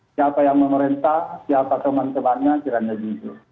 siapa yang memerintah siapa teman temannya kiranya jujur